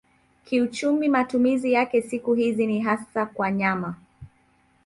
Kiuchumi matumizi yake siku hizi ni hasa kwa nyama.